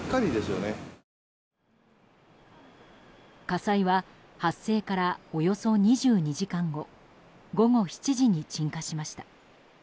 火災は発生からおよそ２２時間後午後７時に鎮火しました。